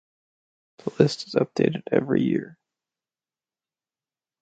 The list is updated every year.